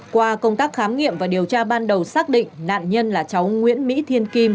qua công tác khám nghiệm và điều tra ban đầu xác định nạn nhân là cháu nguyễn mỹ thiên kim